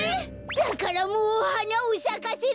だからもうはなをさかせられない。